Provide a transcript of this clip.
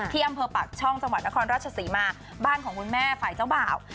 อำเภอปากช่องจังหวัดนครราชศรีมาบ้านของคุณแม่ฝ่ายเจ้าบ่าว